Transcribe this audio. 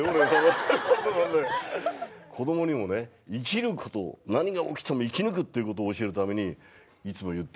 子供にもね生きることを何が起きても生き抜くってことを教えるためにいつも言ってるんで。